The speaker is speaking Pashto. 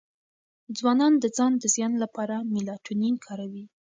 ځوانان د ځان د زیان لپاره میلاټونین کاروي.